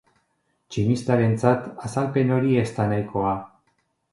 Tximistarentzat azalpen hori ez da nahikoa.